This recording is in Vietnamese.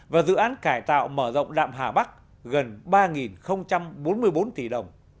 và dự án cải tạo mở rộng đạm hà bắc gần ba bốn mươi bốn tỷ đồng